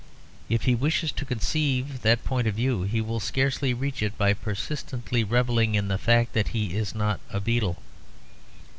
If he wishes to conceive that point of view, he will scarcely reach it by persistently revelling in the fact that he is not a beetle.